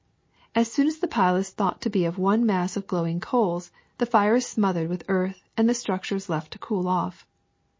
As soon as the pile is thought' to be one mass of glowing coals, the fire is smothered with earth and the structure is left to cool off.